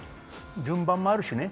順番もあるしね。